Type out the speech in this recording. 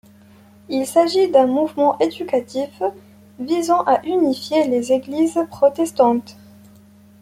Il s'agissait d'un mouvement éducatif visant à unifier les églises protestantes.